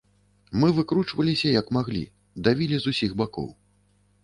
Мы выкручваліся як маглі, давілі з усіх бакоў.